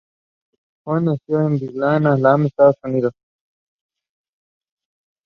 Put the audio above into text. Jones nació en Birmingham, Alabama, Estados Unidos.